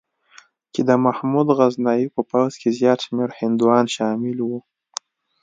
چې د محمود غزنوي په پوځ کې زیات شمېر هندوان شامل وو.